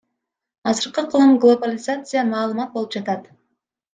Азыркы кылым глобализация, маалымат болуп жатат.